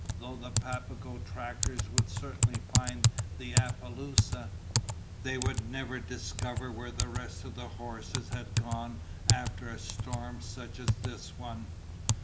Though the Papago trackers would certainly find the apaloosa, they would never discover where the rest of the horses had gone after a storm such as this one.